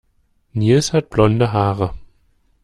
Nils hat blonde Haare.